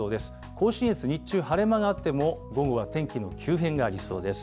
甲信越、日中、晴れ間があっても、午後は天気の急変がありそうです。